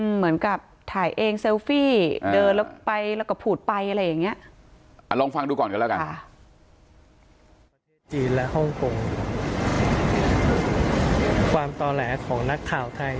เหมือนกับถ่ายเองเซลฟี่เดินแล้วไปแล้วก็พูดไปอะไรอย่างนี้